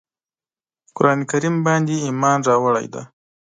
قرآن کریم باندي ایمان راوړی دی.